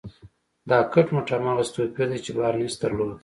دا کټ مټ هماغسې توپير دی چې بارنس درلود.